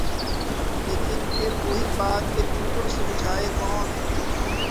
لیکن پھر وہی بات کہ ان کو سمجھائے کون؟